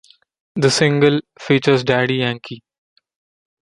The single, features Daddy Yankee.